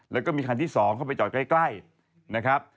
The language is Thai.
แล้วก็มีคันที่๒เข้าไปจอดใกล้นะครับ